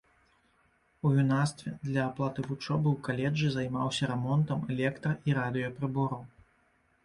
У юнацтве для аплаты вучобы ў каледжы займаўся рамонтам электра-і радыёпрыбораў.